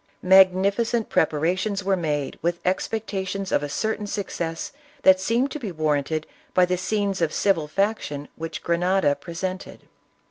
Magnificent preparations were made with expecta tions of a certain success that seemed to be warranted by the scenes of civil faction which Grenada presented.